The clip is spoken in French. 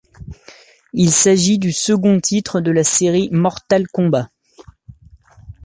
Il s'agit du second titre de la série Mortal Kombat.